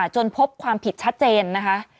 จนพบความผิดชัดเจนนะคะ